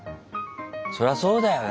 そりゃそうだよな。